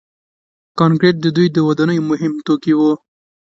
کانکریټ د دوی د ودانیو مهم توکي وو.